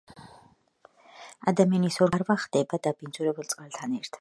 ადამიანის ორგანიზმში ლარვა ხვდება დაბინძურებულ წყალთან ერთად.